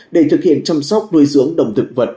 để thực hiện chăm sóc nuôi dưỡng đồng thực vật